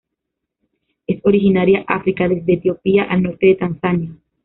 Es originaria África, desde Etiopía al norte de Tanzania.